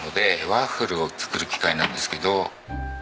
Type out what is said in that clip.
ワッフルを作る機械なんですけど。